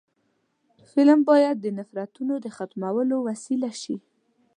فلم باید د نفرتونو د ختمولو وسیله شي